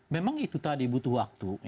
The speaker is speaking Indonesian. memang itu tadi butuh waktu